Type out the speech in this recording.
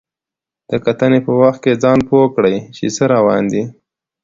د کتنې په وخت کې ځان پوه کړئ چې څه روان دي.